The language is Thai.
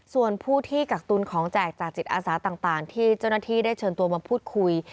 ส่วนผู้ที่กักตุลของแจกจากจิตอาสาต่างที่เจ้าหน้าที่ได้เชิญตัวมาพูดคุย